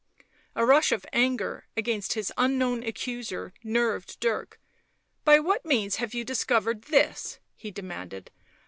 A rush of anger against his unknown accuser nerved Dirk. "By what means have you discovered this!" he demanded.